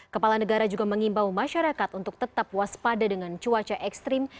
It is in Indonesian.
kepala negara juga mengimbau masyarakat untuk tetap waspada dengan cuaca ekstrim